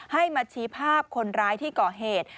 ให้มาชี้ภาพคนร้ายที่ก่อเหตุ